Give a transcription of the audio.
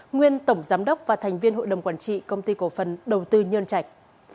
nguyên tổng giám đốc và thành viên hội đồng quản trị công ty cổ phần đầu tư nhân trạch